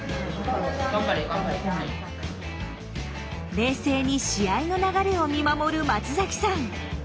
冷静に試合の流れを見守る松さん。